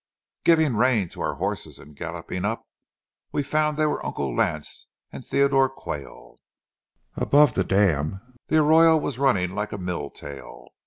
Giving rein to our horses and galloping up, we found they were Uncle Lance and Theodore Quayle. Above the dam the arroyo was running like a mill tail.